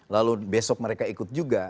lalu besok mereka ikut juga